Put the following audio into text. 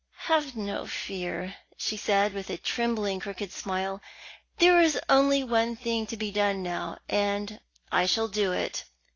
"Have no fear," she said, with a trembling, crooked smile; "there is only one thing to be done now, and I shall do it.